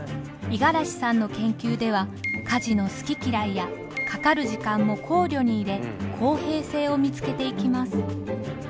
五十嵐さんの研究では家事の好き嫌いやかかる時間も考慮に入れ公平性を見つけていきます。